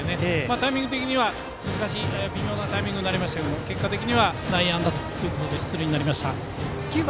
タイミング的には微妙なタイミングになりましたが結果的には内野安打ということで９番